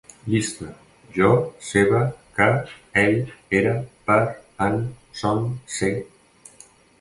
Llista: jo, seva, que, ell, era, per, en, són, ser